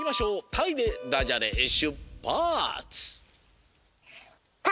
「たい」でダジャレしゅっぱつ！